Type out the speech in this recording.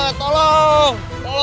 menjadi dengan tahanan